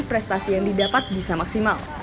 prestasi yang didapat bisa maksimal